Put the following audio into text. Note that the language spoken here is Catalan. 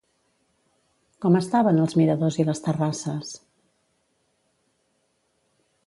Com estaven els miradors i les terrasses?